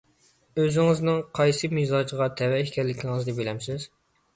ئۆزىڭىزنىڭ قايسى مىزاجغا تەۋە ئىكەنلىكىڭىزنى بىلەمسىز؟